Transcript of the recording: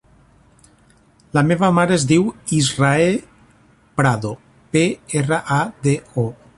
La meva mare es diu Israe Prado: pe, erra, a, de, o.